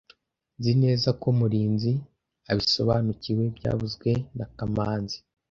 Nzi neza ko Murinzi abisobanukiwe byavuzwe na kamanzi